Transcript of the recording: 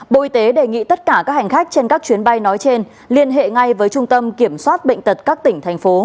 bộ y tế đề nghị tất cả các hành khách trên các chuyến bay nói trên liên hệ ngay với trung tâm kiểm soát bệnh tật các tỉnh thành phố